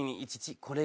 これが。